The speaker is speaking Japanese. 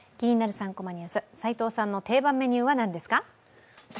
３コマニュース」、齋藤さんの定番メニューは何ですか？